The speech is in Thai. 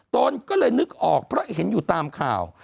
ตนก็เลยนึกออกเพราะเห็นอยู่ตามข่าว